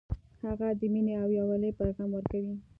هغه د مینې او یووالي پیغام ورکوي